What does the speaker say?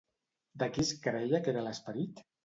De qui es creia que era l'esperit?